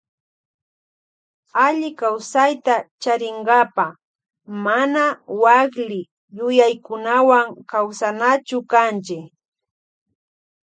Allikawsayta charinkapa mana wakli yuyaykunawan kawsanachu kanchi.